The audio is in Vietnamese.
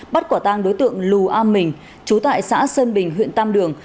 bắt quả tang đối tượng lù a mình chú tại xã sơn bình huyện tam đường